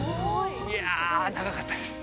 いや長かったです